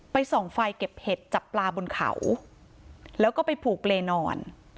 ส่องไฟเก็บเห็ดจับปลาบนเขาแล้วก็ไปผูกเลนอน